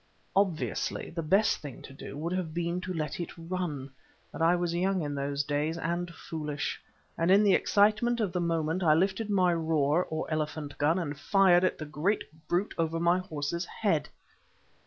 Obviously the best thing to do would have been to let it run, but I was young in those days and foolish, and in the excitement of the moment I lifted my "roer" or elephant gun and fired at the great brute over my horse's head.